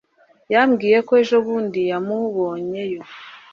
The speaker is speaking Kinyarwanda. Yambwiye ko ejobundi yamubonyeyo